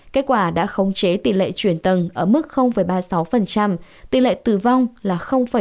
kết quả đã khống chế tỷ lệ chuyển tầng ở mức ba mươi sáu tỷ lệ tử vong là ba mươi